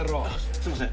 すいません